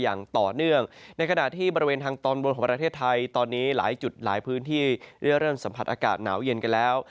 อย่างต่อเนื่องในขณะที่บริเวณทางตอนบนของประเทศไทยตอนนี้หลายจุดหลายพื้นที่ได้เริ่มสัมผัสอากาศหนาวเย็นกันแล้ว